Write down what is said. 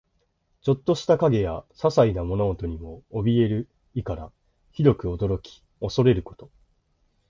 ちょっとした影やささいな物音にもおびえる意から、ひどく驚き怖れること。